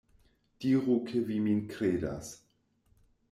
Diru ke vi min kredas.